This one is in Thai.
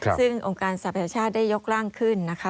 ซึ่งองค์การสรรพชาติได้ยกร่างขึ้นนะคะ